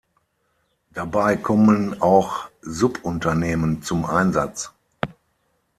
Dabei kommen auch Subunternehmen zum Einsatz.